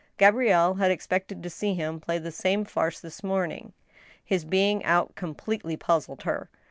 Gabrielle had expected to see him play the same farce this morning. His being out completely puzzled her.